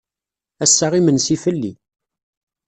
Ass-a imensi fell-i.